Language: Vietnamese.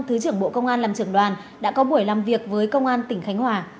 thứ trưởng bộ công an làm trưởng đoàn đã có buổi làm việc với công an tỉnh khánh hòa